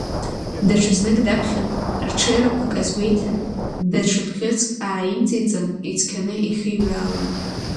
Даҽа знык даԥхьан, рҽеирақәак азгәеиҭан, даҽа бӷьыцк ааимҵеиҵан, ицқьаны ихиҩаалон.